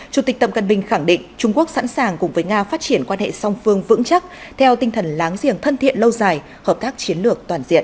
chủ tịch tập cận bình khẳng định trung quốc sẵn sàng cùng với nga phát triển quan hệ song phương vững chắc theo tinh thần láng giềng thân thiện lâu dài hợp tác chiến lược toàn diện